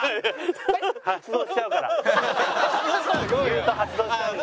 言うと発動しちゃうんで。